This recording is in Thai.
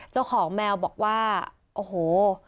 เจ้าของแมวบอกว่าโอ้โห